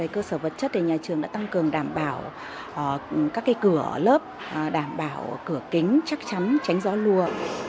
cơ sở vật chất thì nhà trường đã tăng cường đảm bảo các cái cửa lớp đảm bảo cửa kính chắc chắn tránh gió lua